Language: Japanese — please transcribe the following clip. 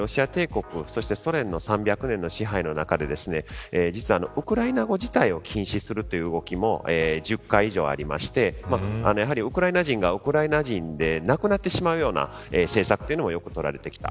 あるいは、ロシア帝国そして、ソ連の３００年の支配の中で実はウクライナ語自体を禁止するという動きも１０回以上ありましてウクライナ人がウクライナ人でなくなってしまうような政策というのもよく取られてきた。